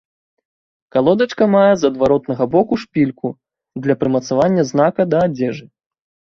Калодачка мае з адваротнага боку шпільку для прымацавання знака да адзежы.